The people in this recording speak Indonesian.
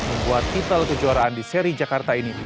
membuat tipel kejuaraan di seri jakarta ini